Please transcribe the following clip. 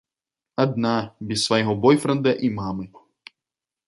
Адна, без свайго бойфрэнда і мамы.